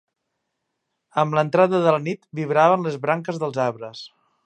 Amb la entrada de la nit vibraven les branques dels arbres